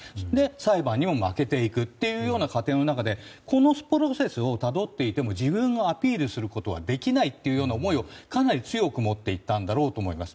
裁判にも負けていくという過程の中でこのプロセスをたどっていても自分をアピールすることはできないという思いをかなり強く持っていたんだろうと思います。